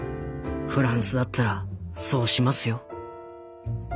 フランスだったらそうしますよ」。